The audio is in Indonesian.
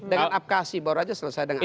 dengan apkasi baru aja selesai dengan apkasi